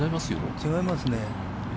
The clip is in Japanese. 違いますね。